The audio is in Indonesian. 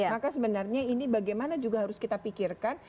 maka sebenarnya ini bagaimana juga harus kita pikirkan